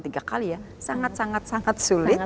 tidak sekali ya sangat sangat sulit